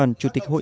bí thư chuông đoàn